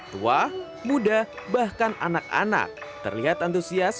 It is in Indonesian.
tua muda bahkan anak anak terlihat antusias